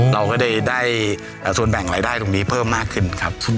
เราก็ได้ส่วนแบ่งรายได้ตรงนี้เพิ่มมากขึ้นครับ